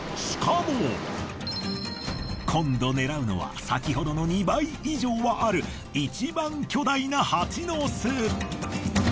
しかも今度狙うのは先ほどの２倍以上はある一番巨大なハチの巣。